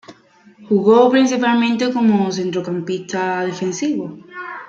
Jugó principalmente como centrocampista defensivo.